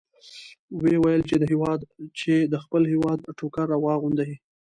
ویې ویل چې د خپل هېواد ټوکر واغوندئ.